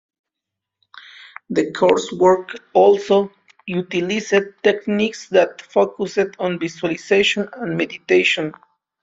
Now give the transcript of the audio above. The coursework also utilized techniques that focused on visualization, and meditation.